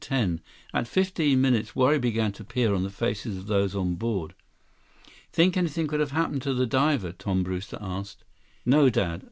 Ten. At fifteen minutes, worry began to appear on the faces of those on board. "Think anything could have happened to the diver?" Tom Brewster asked. "No, Dad.